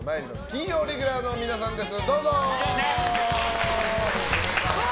金曜レギュラーの皆さんです！